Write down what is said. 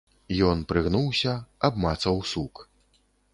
Ён прыгнуўся, абмацаў сук.